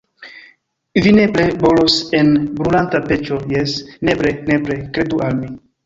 Vi nepre bolos en brulanta peĉo, jes, nepre, nepre, kredu al mi!